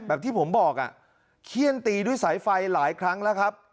แบบที่ผมบอกอ่ะเขี้ยนตีด้วยสายไฟหลายครั้งแล้วครับ